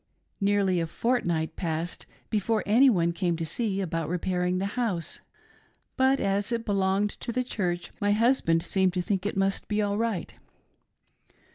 Nearly a fortnight passed before any one came to see about repairing the house, but as it belonged to the Church my husband seemed to think it must all be right.